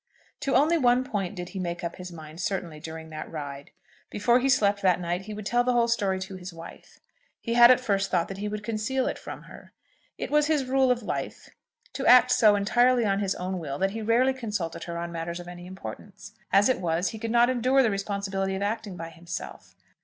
To only one point did he make up his mind certainly during that ride. Before he slept that night he would tell the whole story to his wife. He had at first thought that he would conceal it from her. It was his rule of life to act so entirely on his own will, that he rarely consulted her on matters of any importance. As it was, he could not endure the responsibility of acting by himself.